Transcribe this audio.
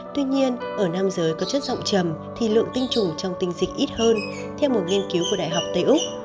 tuy nhiên ở nam giới có chất giọng chầm thì lượng tinh chủng trong tinh dịch ít hơn theo một nghiên cứu của đại học tây úc